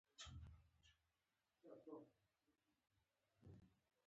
شتمنيو لرونکي لګښتونه کوي.